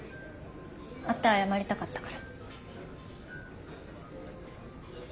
会って謝りたかったから。